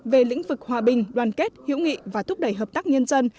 về lĩnh vực hòa bình đoàn kết hữu nghị và thúc đẩy hợp tác nhân dân